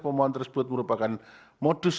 pemohon tersebut merupakan modus